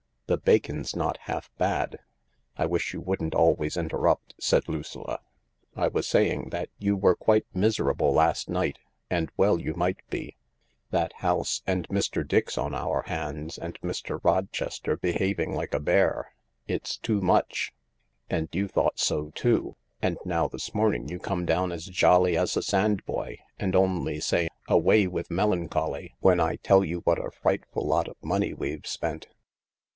The bacon's not half bad." " I wish you wouldn't always interrupt," said Lucilla. " I was saying that you were quite miserable last night, and well you might be. That house— and Mr. Dix on our hands and Mr. Rochester behaving like a bear! It's too much! And you thought so too, and now this morning you come down as jolly as a sandboy and only say, ' Away with melan choly ' when I tell you what a frightful lot of money we've spent."